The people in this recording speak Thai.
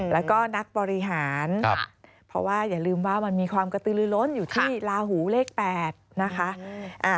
แล้วก็นักบริหารเพราะว่าอย่าลืมว่ามันมีความกระตือลือล้นอยู่ที่ลาหูเลข๘นะคะ